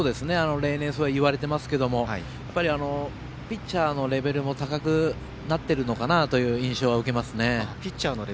例年、そう言われていますがピッチャーのレベルも高くなっているのかなという印象は受けますね。